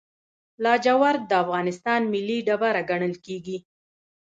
لاجورد د افغانستان ملي ډبره ګڼل کیږي.